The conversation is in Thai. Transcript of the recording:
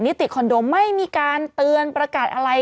ติคอนโดไม่มีการเตือนประกาศอะไร